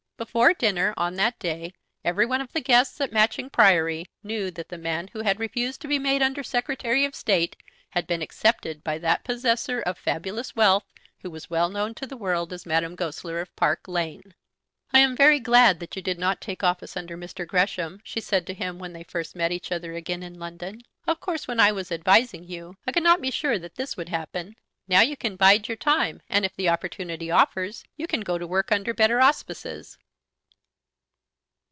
Before dinner on that day every one of the guests at Matching Priory knew that the man who had refused to be made Under Secretary of State had been accepted by that possessor of fabulous wealth who was well known to the world as Madame Goesler of Park Lane. "I am very glad that you did not take office under Mr. Gresham," she said to him when they first met each other again in London. "Of course when I was advising you I could not be sure that this would happen. Now you can bide your time, and if the opportunity offers you can go to work under better auspices."